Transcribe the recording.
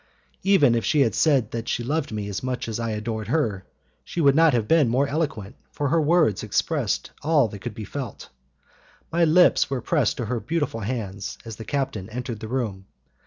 Even if she had said that she loved me as much as I adored her, she would not have been more eloquent, for her words expressed all that can be felt. My lips were pressed to her beautiful hands as the captain entered the room.